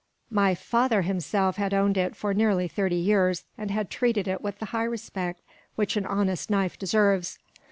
My father himself had owned it for nearly thirty years, and had treated it with the high respect which an honest knife deserves.